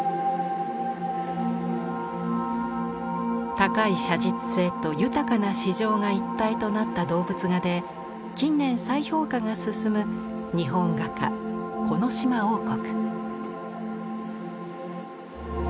高い写実性と豊かな詩情が一体となった動物画で近年再評価が進む日本画家木島櫻谷。